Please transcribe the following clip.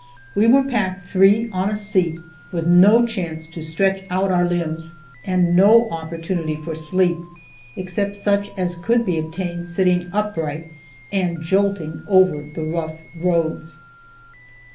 We were packed three on a seat, with no chance to stretch out our limbs, and no opportunity for sleep, except such as could be obtained sitting upright and jolting over the rough roads.